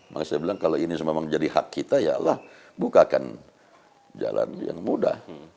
maka saya bilang kalau ini memang jadi hak kita ya lah bukakan jalan yang mudah